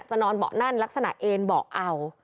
นอนเบาะนั่นลักษณะเอ็นเบาะเอา